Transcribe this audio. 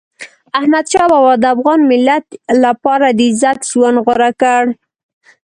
احمدشاه بابا د افغان ملت لپاره د عزت ژوند غوره کړ.